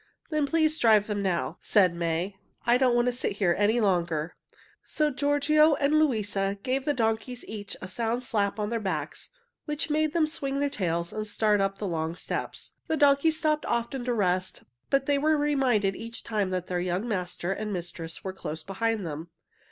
"Then please drive them now," said May. "I don't want to sit here any longer." So Giorgio and Luisa gave the donkeys each a sound slap on their backs, which made them swing their tails and start on up the long steps. The donkeys stopped often to rest, but they were reminded each time that their young master and mistress were close behind them.